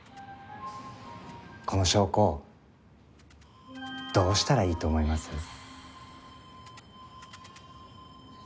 この証拠どうしたらいいと思います？